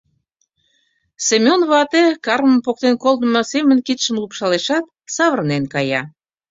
Семён вате, кармым поктен колтымо семын кидшым лупшалешат, савырнен кая.